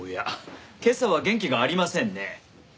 今朝は元気がありませんねえ。